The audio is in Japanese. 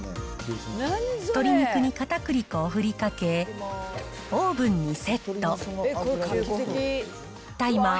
鶏肉にかたくり粉を振りかけ、オーブンにセット。